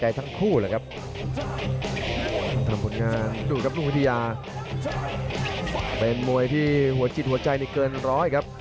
ไปล่าสุดที่เสมอกับนักชกญี่ปุ่นอย่างโยเนดาเทศจินดา